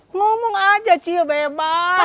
ngomong aja cio bebas